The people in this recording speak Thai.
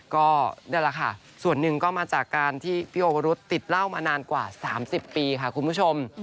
ก็นี่แหละค่ะส่วนหนึ่งก็มาจากการที่พี่โอวรุษติดเหล้ามานานกว่า๓๐ปีค่ะคุณผู้ชม